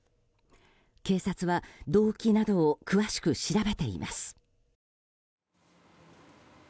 警察は動機などを詳しく調べています。